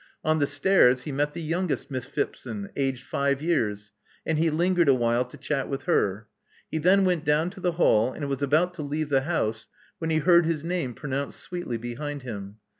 On the stairs he met the youngest Miss Phipson, aged five years; and he lingered a while to chat with her. He then went down to the hall, and was about to leave the house when he heard his name pronounced sweetly behind him.